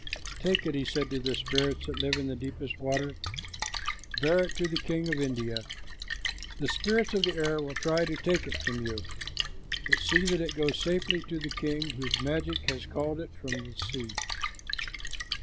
"Take it," he said to the spirits that live in the deepest water. "Bear it to the king of India. The spirits of the air will try to take it from you, but see that it goes safely to the king whose magic has called it from the sea."